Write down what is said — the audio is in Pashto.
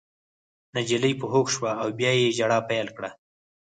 نجلۍ په هوښ شوه او بیا یې ژړا پیل کړه